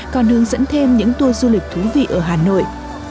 còn hướng dẫn thêm những tour du lịch thú vị ở hà nội